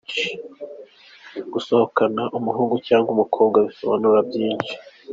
Gusohokana n’umuhungu cyangwa umukobwa bisobanura byinshi.